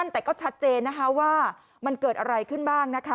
แต่ก็ชัดเจนนะคะว่ามันเกิดอะไรขึ้นบ้างนะคะ